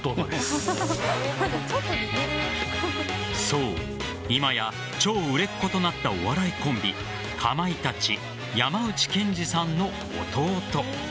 そう、今や超売れっ子となったお笑いコンビかまいたち・山内健司さんの弟。